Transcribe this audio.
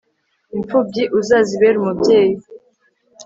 imfubyi, uzazibere umubyeyi